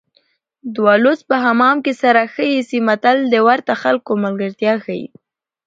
دوه لوڅ په حمام کې سره ښه ایسي متل د ورته خلکو ملګرتیا ښيي